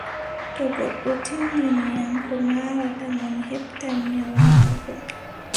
To goddo tinndini am ko naawata mo, mi heɓtan nyawu maako.